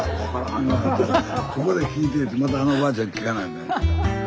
ここで聞いといてまたあのおばあちゃんに聞かな。